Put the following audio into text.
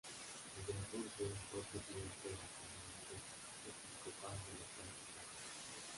Desde entonces, fue presidente de la Conferencia Episcopal de los Países Bajos.